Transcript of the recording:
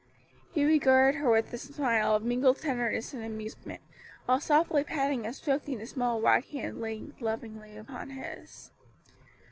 He regarded her with a smile of mingled tenderness and amusement, while softly patting and stroking the small white hand laid lovingly upon his.